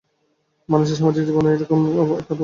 মানুষের সামাজিক জীবনেও এই একই নিয়ম দেখিতে পাওয়া যায়।